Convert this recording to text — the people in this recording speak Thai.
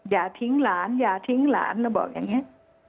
อย่าทิ้งหลานอย่าทิ้งหลานเราบอกอย่างนี้